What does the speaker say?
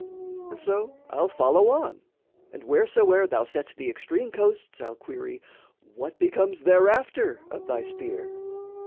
And so I'll follow on, and whereso'er thou set The extreme coasts, I'll query, "what becomes Thereafter of thy spear?"